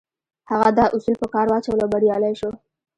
هغه دا اصول په کار واچول او بريالی شو.